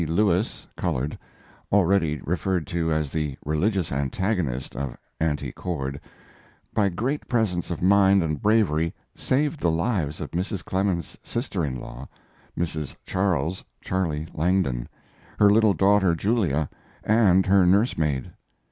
Lewis (colored), already referred to as the religious antagonist of Auntie Cord, by great presence of mind and bravery saved the lives of Mrs. Clemens's sister in law, Mrs. Charles ("Charley") Langdon, her little daughter Julia, and her nurse maid.